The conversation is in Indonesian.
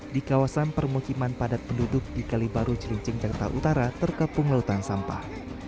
di kawasan permukiman padat penduduk di kalibaru cilincing jakarta utara terkepung lautan sampah